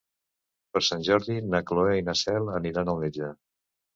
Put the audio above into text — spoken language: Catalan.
Per Sant Jordi na Cloè i na Cel aniran al metge.